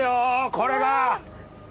これが！